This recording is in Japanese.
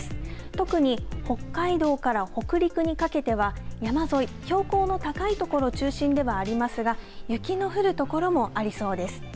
特に北海道から北陸にかけては山沿い、標高の高いところ中心ではありますが雪の降るところもありそうです。